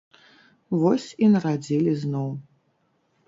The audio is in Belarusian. Вось і нарадзілі зноў.